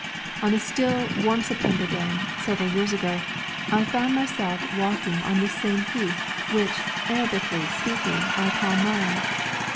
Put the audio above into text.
On a still, warm September day, several years ago, I found myself walking on this same heath, which, Arabically speaking, I call mine.